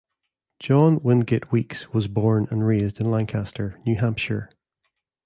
John Wingate Weeks was born and raised in Lancaster, New Hampshire.